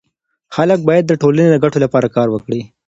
خلګ باید د ټولني د ګټو لپاره کار وکړي.